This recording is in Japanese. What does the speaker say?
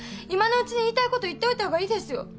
今のうちに言いたいこと言っておいた方がいいですよ。